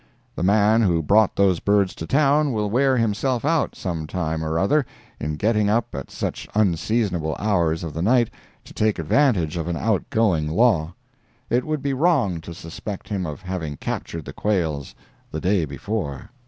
The man who brought those birds to town will wear himself out, some time or other, in getting up at such unseasonable hours of the night to take advantage of an outgoing law. It would be wrong to suspect him of having captured the quails the day before.